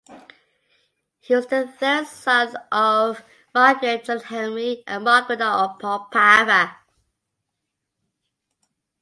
He was the third son of Margrave John Henry and Margaret of Opava.